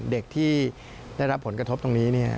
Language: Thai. เด็กที่ได้รับผลกระทบตรงนี้เนี่ย